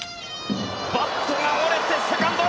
バットが折れてセカンド！